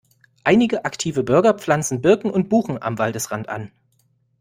Einige aktive Bürger pflanzen Birken und Buchen am Waldesrand an.